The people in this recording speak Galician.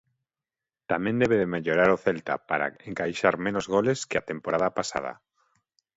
Tamén debe mellorar o Celta para encaixar menos goles que a temporada pasada.